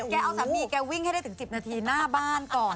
แกเอาสามีแกวิ่งให้ได้ถึง๑๐นาทีหน้าบ้านก่อน